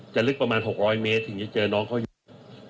ลึกประมาณ๖๐๐เมตรถึงจะเจอน้องเขาอยู่